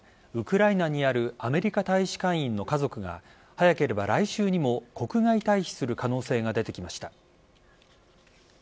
ウクライナにあるアメリカ大使館員の家族が早ければ来週にも国外退避する可能性が出てきました。